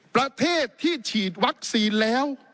ประเทศที่ฉีดวัคซีนแล้ว